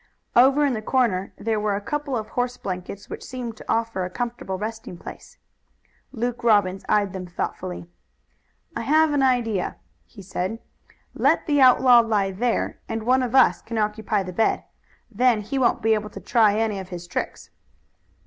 Over in the corner there were a couple of horse blankets which seemed to offer a comfortable resting place. Luke Robbins eyed them thoughtfully. "I have an idea," he said. "Let the outlaw lie there and one of us can occupy the bed. Then he won't be able to try any of his tricks."